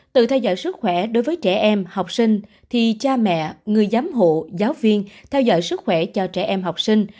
tự theo dõi sức khỏe đối với trẻ em học sinh thì cha mẹ người giám hộ giáo viên theo dõi sức khỏe cho trẻ em học sinh